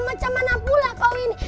macam mana pula kau ini